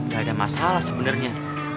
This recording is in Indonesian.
gak ada masalah sebenernya